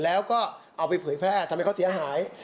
แล้วก็เอาไปเผยแพร่ทำให้เขาเสียหาย